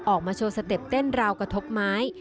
ออกมาโชว์สเต็ปเต้นราวกระทบไม้